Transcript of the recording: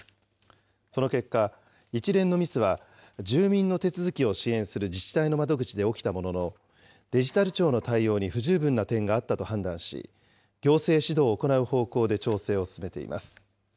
その結果、一連のミスは住民の手続きを支援する自治体の窓口で起きたものの、デジタル庁の対応に不十分な点があったと判断し、行政指導を行う方向で調整を進めています。